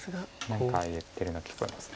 何か言ってるの聞こえます。